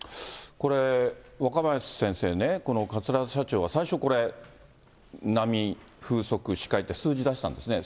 これ、若林先生ね、この桂田社長がこれ、最初、波、風速、視界って、数字出したんですね。